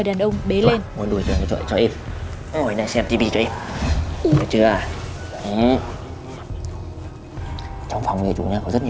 hành động này cũng không hề an toàn